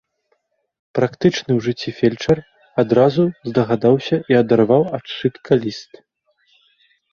Практычны ў жыцці фельчар адразу здагадаўся і адарваў ад сшытка ліст.